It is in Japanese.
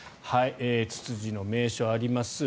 ツツジの名所があります。